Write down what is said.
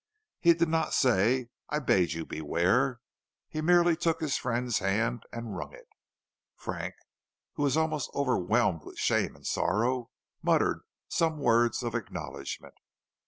He did not say, "I bade you beware"; he merely took his friend's hand and wrung it. Frank, who was almost overwhelmed with shame and sorrow, muttered some words of acknowledgment.